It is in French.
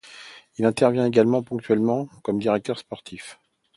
Il intervient également ponctuellement comme directeur sportif.